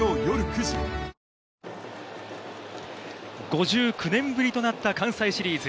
５９年ぶりとなった関西シリーズ。